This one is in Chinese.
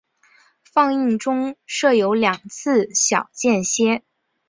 放映中设有两次小间歇。